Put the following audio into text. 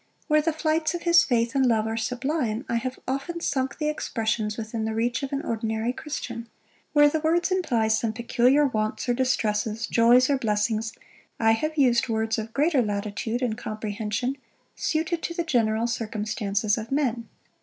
Where the flights of his faith and love are sublime, I have often sunk the expressions within the reach of an ordinary Christian: where the words imply some peculiar wants or distresses, joys, or blessings, I have used words of greater latitude and comprehension, suited to the general circumstances of men.